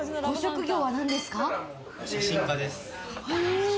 写真家です。